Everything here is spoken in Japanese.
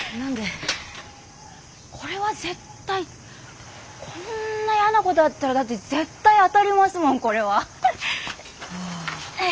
これは絶対こんなやなことあったらだって絶対当たりますもんこれは。ああ。